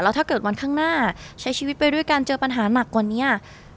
ถ้าเกิดวันข้างหน้าใช้ชีวิตไปด้วยกันเจอปัญหาหนักกว่านี้